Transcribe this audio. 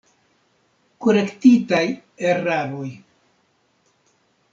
Korektitaj eraroj.